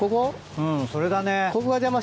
うんそれだね。